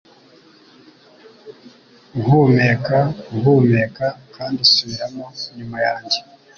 Uhumeka, Uhumeka kandi Subiramo Nyuma yanjye